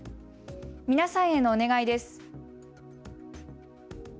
皆さんへのお願いです。